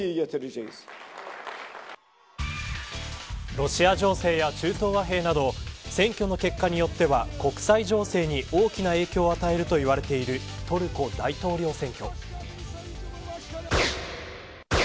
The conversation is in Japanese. ロシア情勢や中東和平など選挙の結果によっては国際情勢に大きな影響を与えるといわれているトルコ大統領選挙。